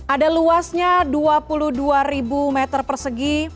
ada luasnya dua puluh dua meter persegi